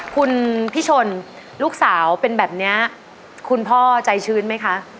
คุณพี่ชนลูกสาวเป็นแบบนี้คุณพ่อใจชื้นไหมคะ